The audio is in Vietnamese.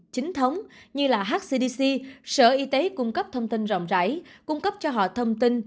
chính thống như hcdc sở y tế cung cấp thông tin rộng rãi cung cấp cho họ thông tin